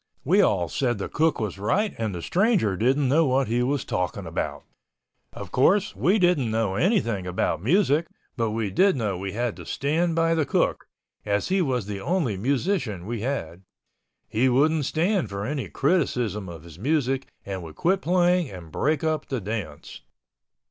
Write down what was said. We all said the cook was right and the stranger didn't know what he was talking about. Of course, we didn't know anything about music, but we did know we had to stand by the cook, as he was the only musician we had. He wouldn't stand for any criticism of his music and would quit playing and break up the dance.